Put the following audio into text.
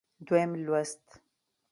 دویم لوست